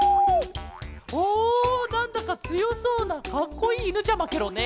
おなんだかつよそうなかっこいいいぬちゃまケロね。